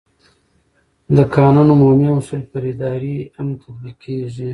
د قانون عمومي اصول پر ادارې هم تطبیقېږي.